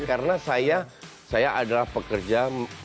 karena saya saya adalah pekerja